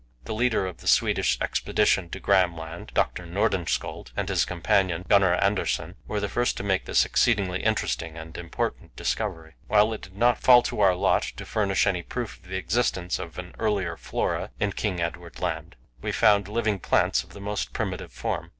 The leader of the Swedish expedition to Graham Land, Dr. Nordenskjöld, and his companion, Gunnar Andersson, were the first to make this exceedingly interesting and important discovery. While it did not fall to our lot to furnish any proof of the existence of an earlier flora in King Edward Land, we found living plants of the most primitive form.